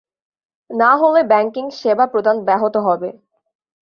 না হলে ব্যাংকিং সেবা প্রদান ব্যাহত হবে।